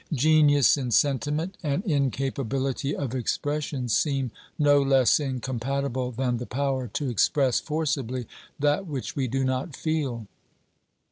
Genius in sentiment and incapability of expression seem no less incompatible than the power to express forcibly that which we do not feel.